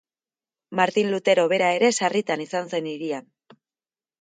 Martin Lutero bera ere sarritan izan zen hirian.